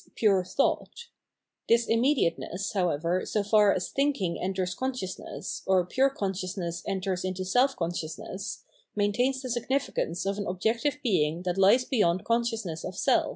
pure thought, f This immediateness, however, so far as thinking enters consciousness, or pure conscious ness enters into self consciousness, maintains the signifi cance of an objective being that lies beyond consciousness of seK.